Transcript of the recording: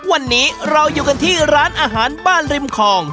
วันนี้เราอยู่กันที่ร้านอาหารบ้านริมคลอง